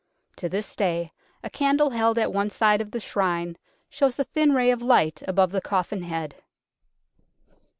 To this day a candle held at one side of the Shrine shows a thin ray of light above the coffin head.